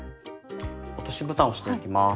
落としぶたをしていきます。